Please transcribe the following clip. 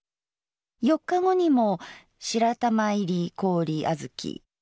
４日後にも「白玉入り氷あづき」。